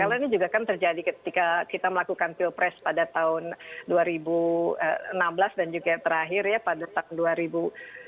karena ini juga kan terjadi ketika kita melakukan pilpres pada tahun dua ribu enam belas dan juga terakhir ya pada tahun dua ribu sembilan belas